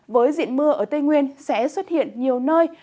với diện mưa ở tây nguyên sẽ xuất hiện nhiều nơi